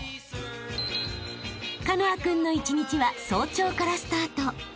［カノア君の一日は早朝からスタート］